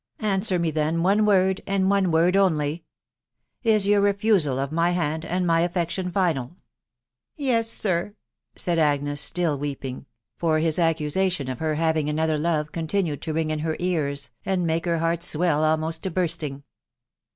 .... Answer me then one word, and one word only Is your refusal of my hand and my affection final ?"" Yes, sir," said Agnes, still weeping ; for his accusation of her haying another love continued to ring in her ears, and make her heart swell almost to bursting.